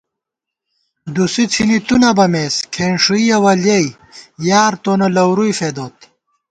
دُسی څھِنی تُو نہ بَمېس ، کھېنݭُوئیَہ وَلیَئی یار تونہ لَورُوئی فېدوت